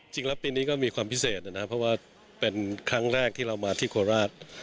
จริงแล้วปีนี้ก็มีความพิเศษนะครับเพราะว่าเป็นครั้งแรกที่เรามาที่โคราช